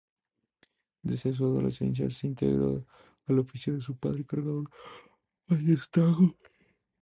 Desde su adolescencia se integró al oficio de su padre, cargador a destajo.